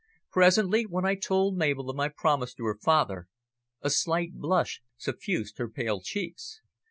Presently, when I told Mabel of my promise to her father, a slight blush suffused her pale cheeks.